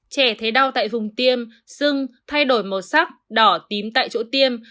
trẻ thấy đau tại vùng tiêm sưng thay đổi màu sắc đỏ tím tại chỗ tiêm